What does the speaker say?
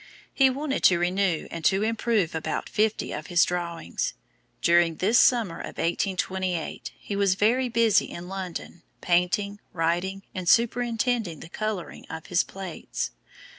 He wanted to renew and to improve about fifty of his drawings. During this summer of 1828, he was very busy in London, painting, writing, and superintending the colouring of his plates.